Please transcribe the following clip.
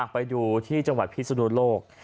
ไปดูที่จังหวัดพิศนวรกษ์